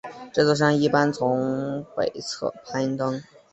这座山一般从北侧攀登。